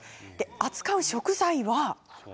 扱う食材は。